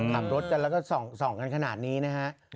ขับรถกันแล้วก็ส่องกันขนาดนี้นะฮะ